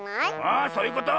あそういうこと！